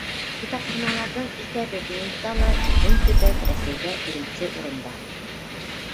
Китапханаларҙың иҫәбе буйынса ла беҙҙең төбәк Рәсәйҙә беренсе урында;